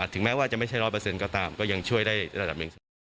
ถึงแม้ว่าจะไม่ใช่๑๐๐ก็ตามก็ยังช่วยได้ระดับหนึ่งเสมอ